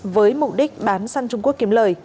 với mục đích bán sang trung quốc